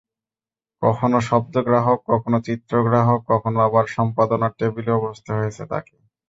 কখনো শব্দগ্রাহক, কখনো চিত্রগ্রাহক, কখনো আবার সম্পাদনার টেবিলেও বসতে হয়েছে তাঁকে।